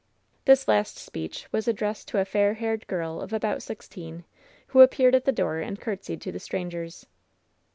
This last speech was addressed to a fair haired girl of about sixteen, who appeared at the door and courtesied to the strangers.